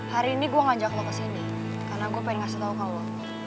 hari ini gua ngajak lo kesini karena gua pengen kasih tau ke lo